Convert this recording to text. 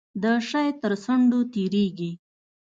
د شی تر څنډو تیریږي.